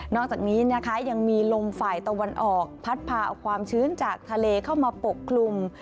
อกจากนี้นะคะยังมีลมฝ่ายตะวันออกพัดพาเอาความชื้นจากทะเลเข้ามาปกคลุม